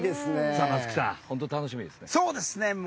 松木さん、本当に楽しみですね。